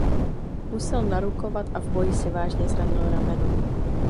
Musel narukovat a v boji si vážně zranil rameno.